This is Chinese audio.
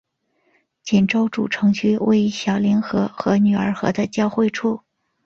锦州主城区位于小凌河和女儿河的交汇处。